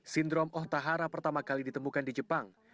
sindrom ohtahara pertama kali ditemukan di jepang